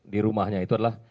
di rumahnya itu adalah